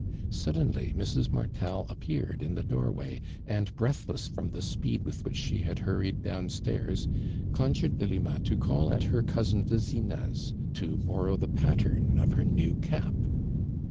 Suddenly Mrs. Martel appeared in the door way, and breathless from the speetl with which she had hurried down stairs, conjured Delima to call at her cousin Vezi na's to borrow the pattern of her new cap.